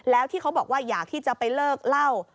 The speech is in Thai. แล้วที่เขาบอกว่าอยากที่จะไปเลิกเล่า